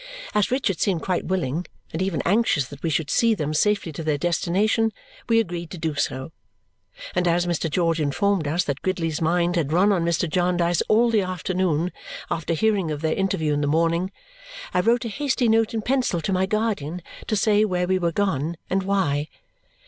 As Richard seemed quite willing, and even anxious, that we should see them safely to their destination, we agreed to do so. And as Mr. George informed us that Gridley's mind had run on Mr. Jarndyce all the afternoon after hearing of their interview in the morning, I wrote a hasty note in pencil to my guardian to say where we were gone and why.